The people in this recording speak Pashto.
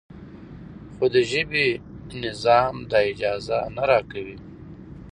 خو د ژبې نظام دا اجازه نه راکوي.